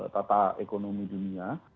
tata ekonomi dunia